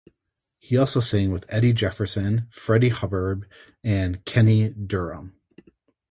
He also sang with Eddie Jefferson, Freddie Hubbard, and Kenny Dorham.